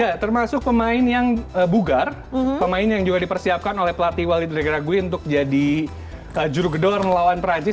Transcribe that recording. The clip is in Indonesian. iya termasuk pemain yang bugar pemain yang juga dipersiapkan oleh pelatih walid regragui untuk jadi jurugedor melawan perancis